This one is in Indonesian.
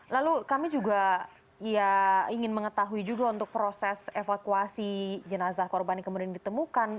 lalu kami juga ya ingin mengetahui juga untuk proses evakuasi jenazah korban yang kemudian ditemukan